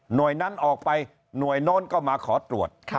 นั้นออกไปหน่วยโน้นก็มาขอตรวจ